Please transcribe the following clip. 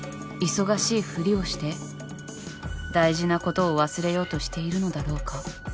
忙しいふりをして大事なことを忘れようとしているのだろうか。